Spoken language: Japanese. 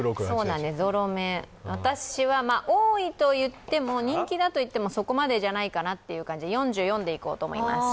私は多いといっても、人気だといってもそこまでじゃないかなという感じで、４４でいこうと思います。